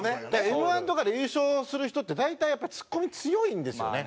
Ｍ−１とかで優勝する人って大体ツッコミ強いんですよね。